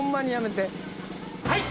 はい！